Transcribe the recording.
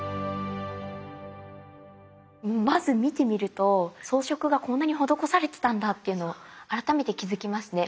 まず見てみると装飾がこんなに施されてたんだっていうのを改めて気付きますね。